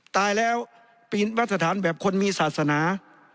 ตายแล้วปีนมาตรฐานแบบคนมีศาสนา